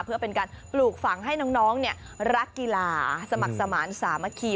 เพื่อเป็นการปลูกฝังให้น้องรักกีฬาสมัครสมาธิสามัคคี